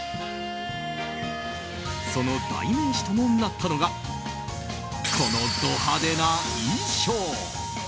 その代名詞ともなったのがこのド派手な衣装。